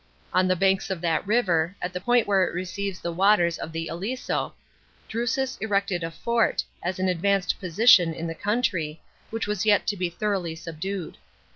On the 1 anks of that river, at the point where it receives the waters of the Aliso, Drusus erected a fort, as an advanced position in tin country, which was yet to be thoroughly subdued.